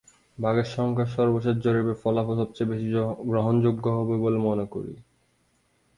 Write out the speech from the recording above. বাঘের সংখ্যার সর্বশেষ জরিপের ফলাফল সবচেয়ে বেশি গ্রহণযোগ্য হবে বলে মনে করি।